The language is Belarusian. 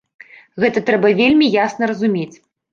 Гэта трэба вельмі ясна разумець.